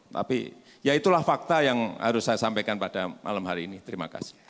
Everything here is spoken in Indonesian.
tapi ya itulah fakta yang harus saya sampaikan pada malam hari ini terima kasih